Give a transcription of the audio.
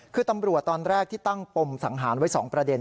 คือตำรวจตอนแรกที่ตั้งปมสังหารไว้๒ประเด็น